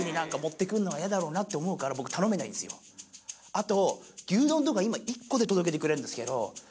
あと。